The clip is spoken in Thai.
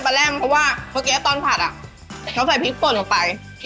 แร่มเพราะว่าเมื่อกี้ตอนผัดอ่ะเขาใส่พริกป่นลงไป